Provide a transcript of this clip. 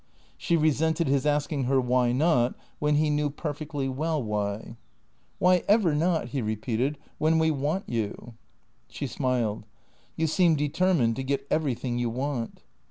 She resented his asking her why not, when he knew perfectly well why. " "WTiy ever not," he repeated, " when we want you ?" She smiled. "You seem determined to get everything you want."